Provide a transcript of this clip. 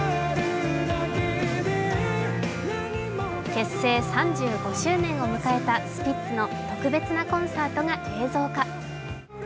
結成３５周年を迎えたスピッツの特別なコンサートが映像化。